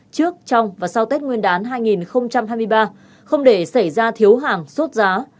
trước trong và sau tết nguyên đán hai nghìn hai mươi ba không để xảy ra thiếu hàng sốt giá